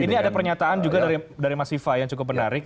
ini ada pernyataan juga dari mas viva yang cukup menarik